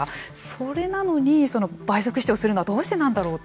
それなのに倍速視聴するのはどうしてなんだろうって。